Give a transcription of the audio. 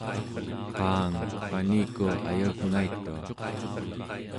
qaang, waniku ayagngaitua